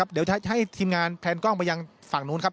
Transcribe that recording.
เดี๋ยวให้ทีมงานแพนกล้องไปยังฝั่งนู้นครับ